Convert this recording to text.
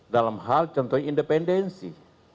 dalam hal contohnya independensi